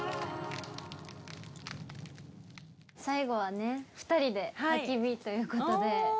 最後はね２人で焚き火という事で。